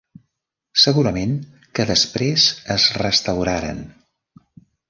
Segurament que després es restauraren.